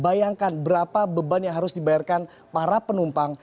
bayangkan berapa beban yang harus dibayarkan para penumpang